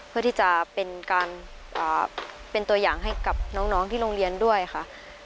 เพื่อที่จะเป็นการเป็นตัวอย่างให้กับน้องที่โรงเรียนด้วยค่ะ